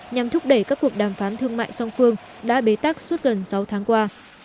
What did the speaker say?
nhằm thúc đẩy các cuộc đàm phán thương mại song phương đã bế tắc suốt gần sáu tháng qua